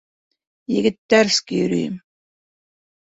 — Егеттәрский йөрөйөм.